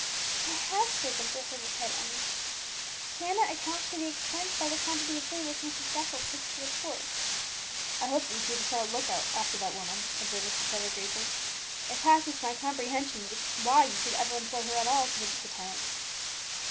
"I have spoken to her," replied Emmie. "Hannah accounts for the expense by the quantity of food which Mrs. Jessel takes to the poor." "I hope that you keep a sharp look out after that woman," observed Mr. Trevor gravely. "It passes my comprehension why you should ever employ her at all to visit the tenants."